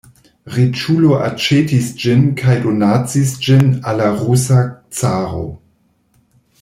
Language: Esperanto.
Riĉulo aĉetis ĝin kaj donacis ĝin al la rusa caro.